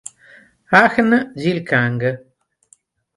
Ahn Gil-kang